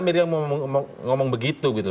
benar nggak miriam ngomong begitu